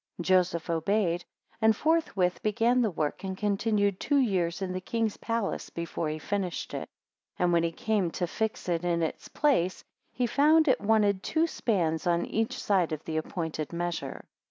6 Joseph obeyed, and forthwith began the work, and continued two years in the king's palace before he finished it. 7 And when he came to fix it in its place, he found it wanted two spans on each side of the appointed measure.